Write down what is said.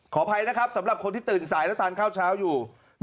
ขออภัยนะครับสำหรับคนที่ตื่นสายแล้วทานข้าวเช้าอยู่